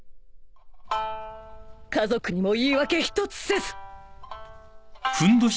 家族にも言い訳一つせず！